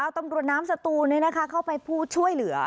ตรวจน้ำสตูเนี่ยนะคะเข้าไปพูดช่วยเหลือ